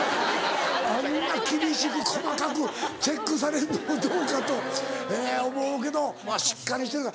あんな厳しく細かくチェックされんのもどうかと思うけどまぁしっかりしてるな。